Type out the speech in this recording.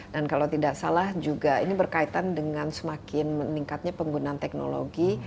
dan kalau tidak salah juga ini berkaitan dengan semakin meningkatnya penggunaan teknologi